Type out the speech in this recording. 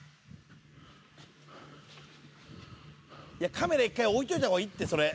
カメラ１回置いといた方がいいって。